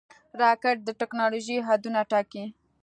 راکټ د ټېکنالوژۍ حدونه ټاکي